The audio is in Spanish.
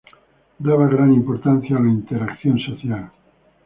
Daba gran importancia a la interacción social.